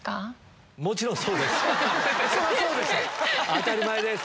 当たり前です。